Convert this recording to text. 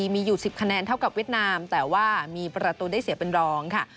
มีอยู่๑๐คะแนนเท่ากับเวียดนามแต่ว่ามีประตูได้เสียเป็นรองค่ะ